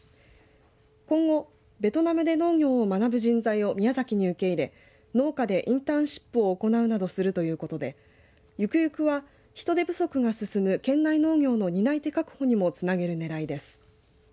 今後、ベトナムで農業を学ぶ人材を宮崎に受け入れ農家でインターンシップ行うなどするということでゆくゆくは人手不足が進む県内農業の担い手確保にもつなげるねらいです。